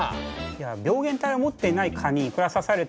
いや病原体を持っていない蚊にいくら刺されてもですね